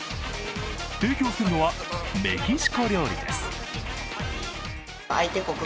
提供するのはメキシコ料理です。